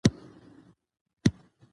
تاریخ د افغانانو د ګټورتیا برخه ده.